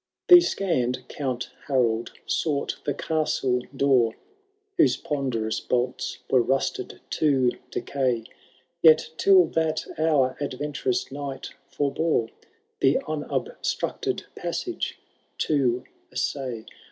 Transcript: III. These scanned. Count Harold sought the castle door. Whose ponderous bolts wero rusted to decay ; Yet till that hour adventurous knight forbore The unobstructed passage to essay.